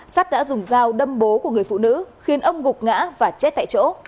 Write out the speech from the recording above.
sát đã dùng dao đâm bố của người phụ nữ khiến ông gục ngã và chết tại chỗ